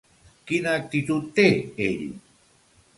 Quina actitud té ell?